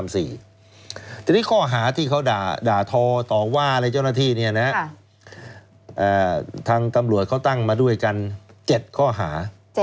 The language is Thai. ทีนี้ข้อหาที่เขาด่าทอต่อว่าอะไรเจ้าหน้าที่ทางตำรวจเขาตั้งมาด้วยกัน๗ข้อหา